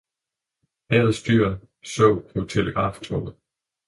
Havets dyr så på telegraftovet.